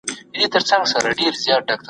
د ټولني حقيقي عايد به زياتوالی ومومي.